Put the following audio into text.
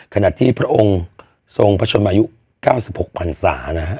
ขณะที่พระองค์ทรงประชวนมาอายุ๙๖พันธุ์สานะครับ